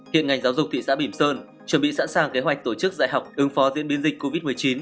hiện ngành giáo dục thị xã bỉm sơn chuẩn bị sẵn sàng kế hoạch tổ chức dạy học ứng phó diễn biến dịch covid một mươi chín